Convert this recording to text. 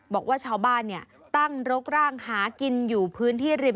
บอกว่าชาวบ้านตั้งรกร่างหากินอยู่พื้นที่ริม